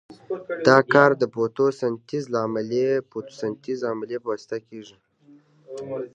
دا کار د فوتو سنتیز د عملیې په واسطه کیږي.